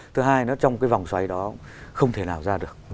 thứ hai nó trong cái vòng xoay đó không thể nào ra được